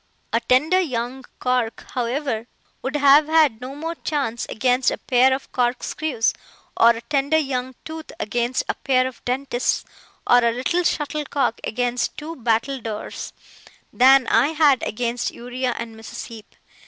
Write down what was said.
A tender young cork, however, would have had no more chance against a pair of corkscrews, or a tender young tooth against a pair of dentists, or a little shuttlecock against two battledores, than I had against Uriah and Mrs. Heep.